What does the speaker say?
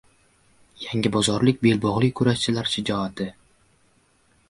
Yangibozorlik belbog‘li kurashchilar shijoati